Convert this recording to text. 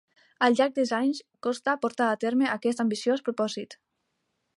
Al llarg dels anys, Costa portà a terme aquest ambiciós propòsit.